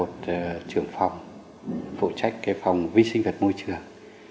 theo đuổi trong hơn hai mươi năm nghiên cứu về môi trường